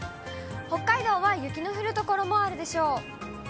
北海道は雪の降る所もあるでしょう。